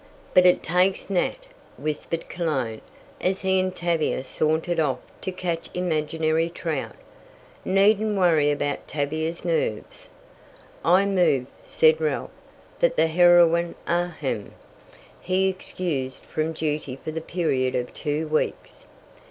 "But it takes Nat," whispered Cologne, as he and Tavia sauntered off to catch imaginary trout. "Needn't worry about Tavia's nerves." "I move," said Ralph, "that the heroine ahem, be excused from duty for the period of two weeks.